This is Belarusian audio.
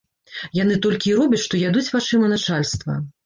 Яны толькі і робяць, што ядуць вачыма начальства.